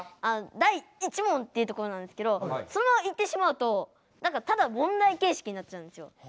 「第１問」って言うところなんですけどそのまま言ってしまうとただ問題形式になっちゃうんですよ。